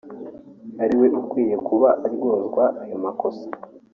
ari we ukwiye kuba aryozwa ayo makosa